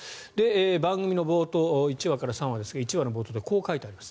番組の冒頭、１話から３話ですが１話の冒頭でこう書いてあります。